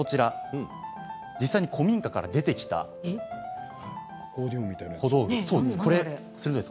実際に古民家から出てきた道具です。